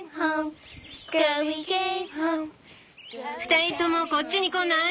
２人ともこっちに来ない？